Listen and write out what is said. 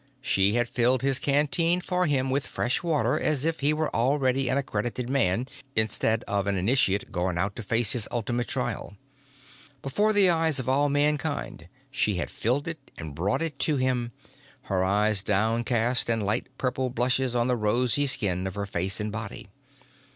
She had filled his canteen for him with fresh water as if he were already an accredited man instead of an initiate going out to face his ultimate trial. Before the eyes of all Mankind she had filled it and brought it to him, her eyes down cast and light purple blushes on the rosy skin of her face and body.